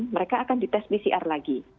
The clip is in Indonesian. mereka akan di tes pcr lagi